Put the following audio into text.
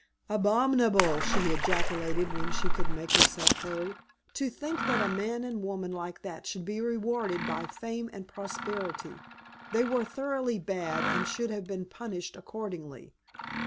"Abominable!" she ejaculated when she could make herself heard. "To think that a man and a woman like that should be rewarded by fame and prosperity. They were thoroughly bad and should have been punished accordingly."